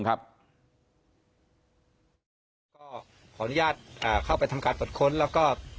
ก็ขออนุญาตเข้าไปทำการตรวจค้นแล้วก็